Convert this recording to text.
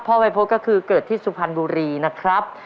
วัยพฤษก็คือเกิดที่สุพรรณบุรีนะครับ